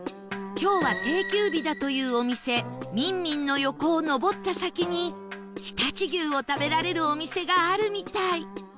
今日は定休日だというお店ミンミンの横を上った先に常陸牛を食べられるお店があるみたい